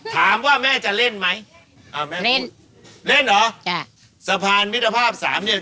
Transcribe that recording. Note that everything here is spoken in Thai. สีต้นทุกตั้ง